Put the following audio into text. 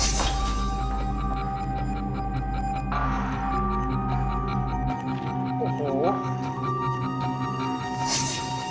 เปล่าไม่ได้ทำอะไร